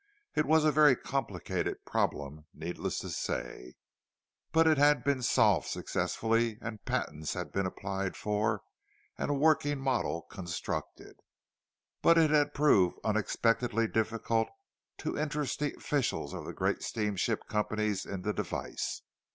It was a very complicated problem, needless to say, but it had been solved successfully, and patents had been applied for, and a working model constructed. But it had proved unexpectedly difficult to interest the officials of the great steamship companies in the device.